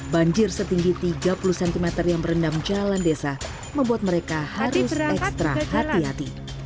banjir setinggi tiga puluh cm yang merendam jalan desa membuat mereka harus ekstra hati hati